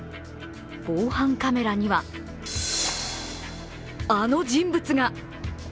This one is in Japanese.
防犯カメラにはあの人物が。